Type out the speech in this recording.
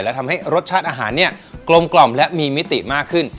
และทำให้รสชาติอาหารเนี่ยกลมกล่อมและมีมิติมากขึ้น